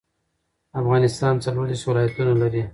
افغانستان څلور دیرش ولايتونه لري